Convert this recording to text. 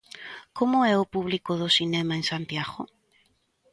Como é o público do cinema en Santiago?